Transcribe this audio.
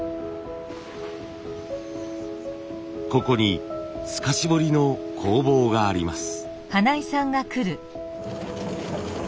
ここに透かし彫りの工房があります。